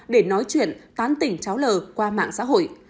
để nói chuyện tán tỉnh cháu l qua mạng xã hội